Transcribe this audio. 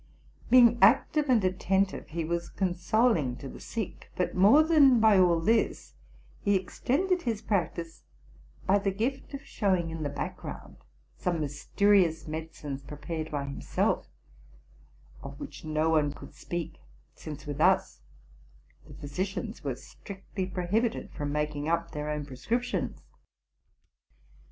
Being active and attentive, he was consoling to the sick ; but, more than by all this, he extended his practice by the gift of showing in the background some mysterious medicines prepared by himself, of which no one could speak, since with us the physicians were strictly prohibited from making up their own prescriptions.